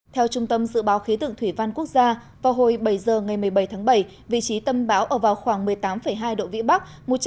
theo trung tâm dự báo khí tượng thủy văn quốc gia vào hồi bảy giờ ngày một mươi bảy tháng bảy vị trí tâm bão ở vào khoảng một mươi tám hai độ vĩ bắc